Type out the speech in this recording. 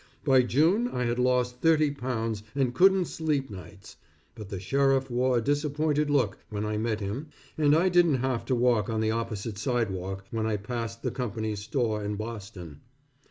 By June, I had lost thirty pounds and couldn't sleep nights, but the sheriff wore a disappointed look when I met him, and I didn't have to walk on the opposite sidewalk when I passed the Company's store in Boston.